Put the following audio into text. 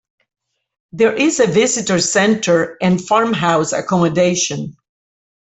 There is a visitor centre and farmhouse accommodation.